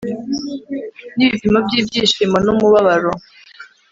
nibipimo byibyishimo numubabaro